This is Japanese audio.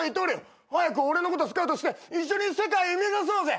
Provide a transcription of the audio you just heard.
早く俺のことスカウトして一緒に世界目指そうぜ！